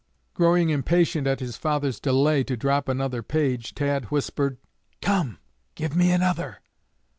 Growing impatient at his father's delay to drop another page, Tad whispered, 'Come, give me another!'